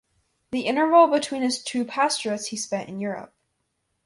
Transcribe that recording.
The interval between his two pastorates he spent in Europe.